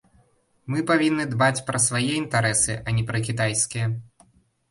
Мы павінны дбаць пра свае інтарэсы, а не пра кітайскія.